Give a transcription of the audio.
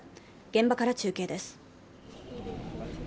現場から中継です。